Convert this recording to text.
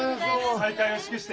再開を祝して。